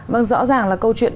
vâng rõ ràng là câu chuyện